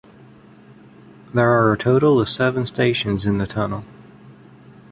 There are a total of seven stations in the tunnel.